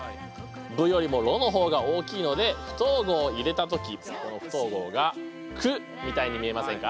「ぶ」よりも「ろ」の方が大きいので不等号を入れた時この不等号が「く」みたいに見えませんか？